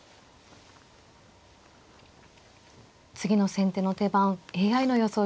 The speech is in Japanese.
次の先手の手番ＡＩの予想